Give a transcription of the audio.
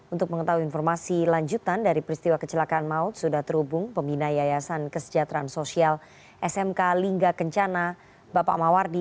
untuk mengetahui informasi lanjutan dari peristiwa kecelakaan maut sudah terhubung pembina yayasan kesejahteraan sosial smk lingga kencana bapak mawardi